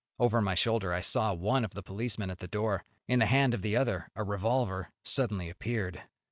Over my shoulder I saw one of the policemen at the door. In the hand of the other a revolver suddenly appeared.